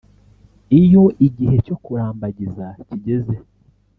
Iyo igihe cyo kurambagiza kigeze